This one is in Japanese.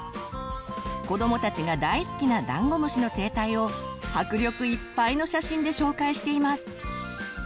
子どもたちが大好きなダンゴムシの生態を迫力いっぱいの写真で紹介しています。